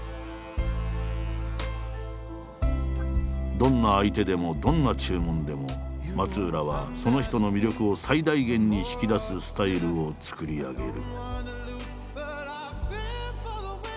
どんな相手でもどんな注文でも松浦はその人の魅力を最大限に引き出すスタイルを作り上げる。